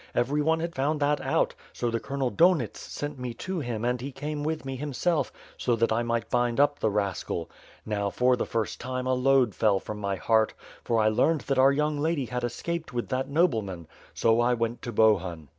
Every one had found that out, so the Colonel Donits sent me to him and he came with me himself, so that I might bind up the rascal. Now, for the first time, a load fell from my heart; for I learned that our young lady had escaped with that nobleman. So I went to Bohun.